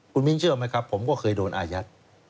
คุณมิ้นเชื่อไหมครับผมก็เคยโดนอายัด